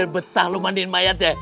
betah lo mandiin mayat ya